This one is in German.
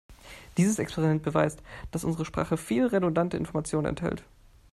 Dieses Experiment beweist, dass unsere Sprache viel redundante Information enthält.